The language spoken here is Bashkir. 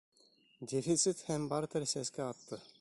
Дефицит һәм бартер сәскә атты.